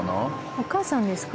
お母さんですか？